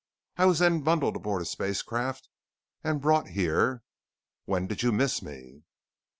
I was then bundled aboard a spacecraft and brought here. When did you miss me?"